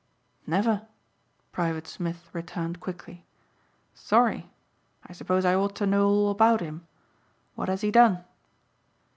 "Never," Private Smith returned quickly. "Sorry! I suppose I ought to know all about him. What has he done?"